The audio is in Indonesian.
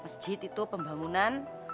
masjid itu pembangunan